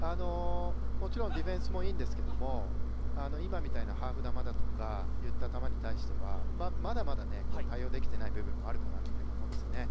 もちろんディフェンスもいいんですけど今みたいなハーフ球といった球に対してはまだまだ対応できていない部分もあるかなと思うんですよね。